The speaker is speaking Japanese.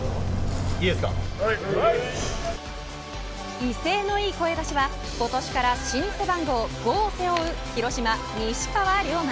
威勢のいい声出しは今年から新背番号、５を背負う広島、西川龍馬。